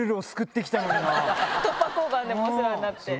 突破交番でもお世話になって。